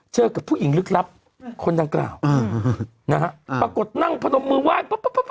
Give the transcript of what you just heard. เชิดว่ากับผู้หญิงลึกลับคนจังกราวนะครับปรากฏนั่งผนมมือวาด